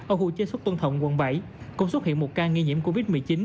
ở khu chế xuất tuân thọng quận bảy cũng xuất hiện một ca nghi nhiễm covid một mươi chín